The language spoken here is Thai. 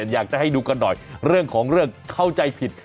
อยากจะให้ดูกันหน่อยเรื่องของเรื่องเข้าใจผิด